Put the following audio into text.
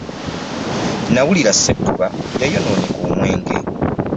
Nawulira Ssettuba yayonooneka omwenge.